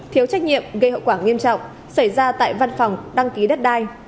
thiếu trách nhiệm gây hậu quả nghiêm trọng xảy ra tại văn phòng đăng ký đất đai